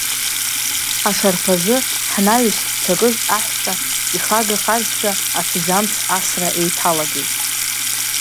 Ашарԥазы, ҳнаҩыс иҭакыз аҳәса ихагахазшәа аҭӡамц асра еиҭалагеит.